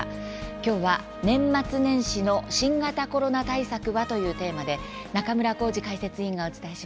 今日は「年末年始の新型コロナ対策は」というテーマで中村幸司解説委員がお伝えします。